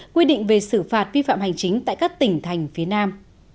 quy định về xử phạt vi phạm hành chính tại các tỉnh thành phía nam